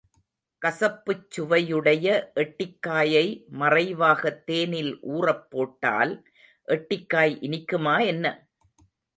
கசப்புச் சுவையுடைய எட்டிக் காயை மறைவாகத் தேனில் ஊறப்போட்டால் எட்டிக்காய் இனிக்குமா, என்ன?